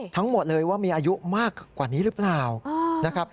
ทั้งหมดเลยว่ามีอายุมากกว่านี้หรือเปล่านะครับ